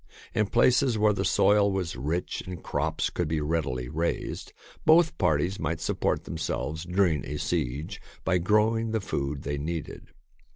In places where the soil was rich and crops could be readily raised, both parties might support themselves during a siege by grow ing the food they needed.